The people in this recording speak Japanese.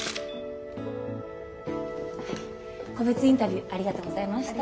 個別インタビューありがとうございました。